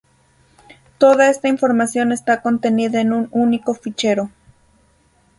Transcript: Toda esta información está contenida en un único fichero.